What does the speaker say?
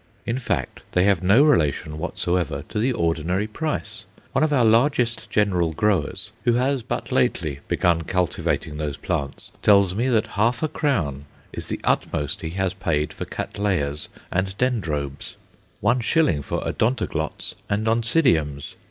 In fact, they have no relation whatsoever to the ordinary price. One of our largest general growers, who has but lately begun cultivating those plants, tells me that half a crown is the utmost he has paid for Cattleyas and Dendrobes, one shilling for Odontoglots and Oncidiums.